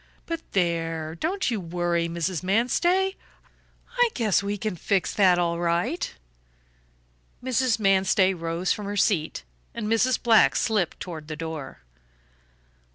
But there, don't you worry, Mrs. Manstey. I guess we can fix that all right." Mrs. Manstey rose from her seat, and Mrs. Black slipped toward the door.